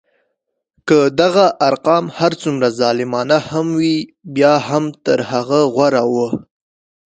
که دغه ارقام هر څومره ظالمانه هم وي بیا هم تر هغه غوره وو.